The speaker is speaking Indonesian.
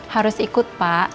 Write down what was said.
harus ikut pak